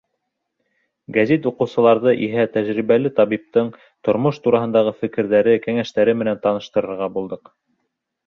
Гәзит уҡыусыларҙы иһә тәжрибәле табиптың тормош тураһындағы фекерҙәре, кәңәштәре менән таныштырырға булдыҡ.